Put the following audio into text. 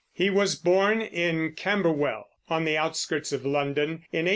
He was born in Camberwell, on the outskirts of London, in 1812.